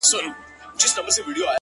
• احوال یې کښلی زموږ د ښار دی ,